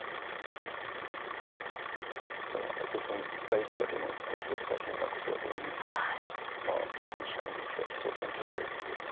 やっぱりタイトル戦一回出るだけでもものすごく大変なことだと思うんですけどまあ短期間に２つ挑戦を決められて。